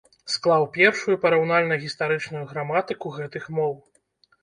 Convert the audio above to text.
Склаў першую параўнальна-гістарычную граматыку гэтых моў.